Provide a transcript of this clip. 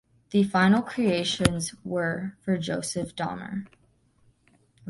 The final creations were for Joseph Damer.